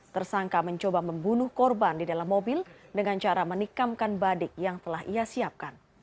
tersangka mencoba membunuh korban di dalam mobil dengan cara menikamkan badik yang telah ia siapkan